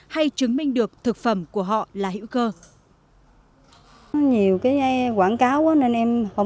hay chứng minh được thực phẩm của họ là hữu cơ